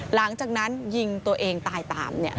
หลังจากนั้นยิงตัวเองตายตาม